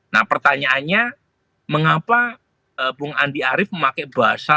nah pertanyaannya mengapa bung andi arief memakai bahasa